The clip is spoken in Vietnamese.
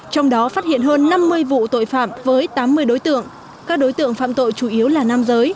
trong đó phát hiện hơn năm mươi vụ tội phạm với tám mươi đối tượng các đối tượng phạm tội chủ yếu là nam giới